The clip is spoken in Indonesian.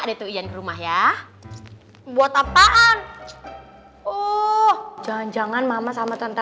detik yang rumah ya buat apaan oh jangan jangan mama sama tante